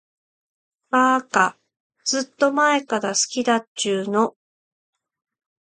ばーか、ずーっと前から好きだっちゅーの。